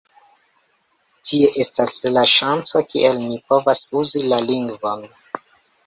Tie estas la ŝanco, kie ni povas uzi la lingvon.